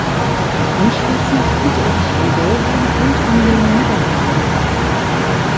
Anschliessend hielt er sich in Belgien und in den Niederlanden auf.